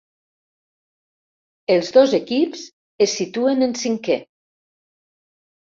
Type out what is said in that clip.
Els dos equips es situen en cinquè.